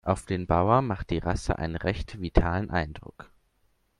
Auf den Bauer macht die Rasse einen recht vitalen Eindruck.